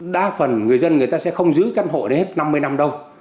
đa phần người dân người ta sẽ không giữ căn hộ đến hết năm mươi năm đâu